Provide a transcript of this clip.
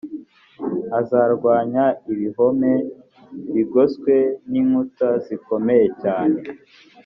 azarwanya ibihome bigoswe n inkuta zikomeye cyane